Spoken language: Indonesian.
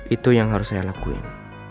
itu yang harus saya lakuin